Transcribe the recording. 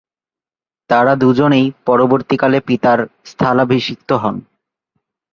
তারা দুজনেই পরবর্তীকালে পিতার স্থলাভিষিক্ত হন।